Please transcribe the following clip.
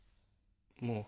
もう。